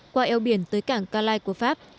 qua eo biển tới cảng calais của pháp